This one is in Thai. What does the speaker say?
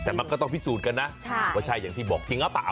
แต่มันก็ต้องพิสูจน์กันนะว่าใช่อย่างที่บอกจริงหรือเปล่า